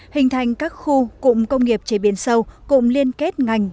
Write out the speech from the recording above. hình thành các khu cụm công nghiệp chế biến sâu cụm liên kết ngành